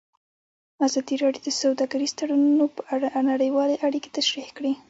ازادي راډیو د سوداګریز تړونونه په اړه نړیوالې اړیکې تشریح کړي.